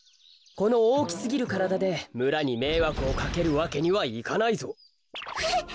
このおおきすぎるからだでむらにめいわくをかけるわけにはいかないぞ。えっ！？